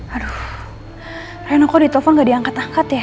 aduh reno kok di telpon gak diangkat angkat ya